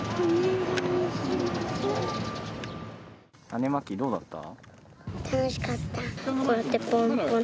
種まきどうだった。